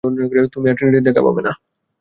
তুমি আর ট্রিনিটির দেখা পাবে না!